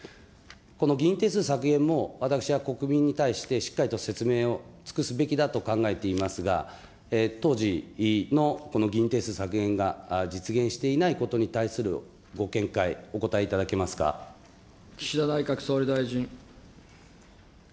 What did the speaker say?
この議員定数削減も私は国民に対してしっかりと説明を尽くすべきだと考えていますが、当時のこの議員定数削減が実現していないことに対するご見解、岸田内閣総理大臣。